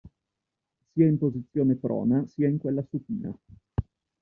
Sia in posizione prona sia in quella supina.